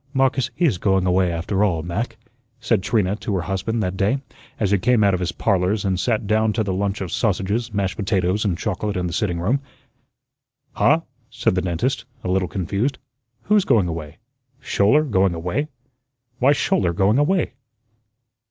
"Marcus IS going away, after all, Mac," said Trina to her husband that day as he came out of his "Parlors" and sat down to the lunch of sausages, mashed potatoes, and chocolate in the sitting room. "Huh?" said the dentist, a little confused. "Who's going away? Schouler going away? Why's Schouler going away?"